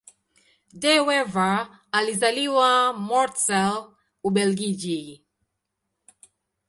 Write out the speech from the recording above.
De Wever alizaliwa Mortsel, Ubelgiji.